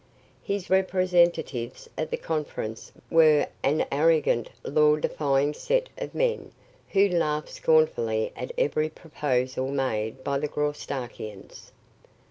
His representatives at the conference were an arrogant, law defying set of men who laughed scornfully at every proposal made by the Graustarkians.